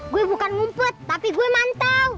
gua bukan ngumpet tapi gua mantau